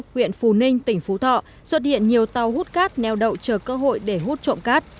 huyện phù ninh tỉnh phú thọ xuất hiện nhiều tàu hút cát neo đậu chờ cơ hội để hút trộm cát